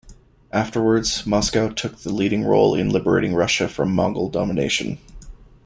Afterwards, Moscow took the leading role in liberating Russia from Mongol domination.